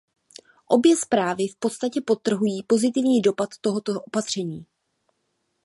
Obě zprávy v podstatě podtrhují pozitivní dopad tohoto opatření.